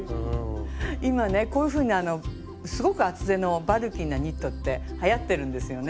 今ねこういうふうなすごく厚手のバルキーなニットってはやってるんですよね。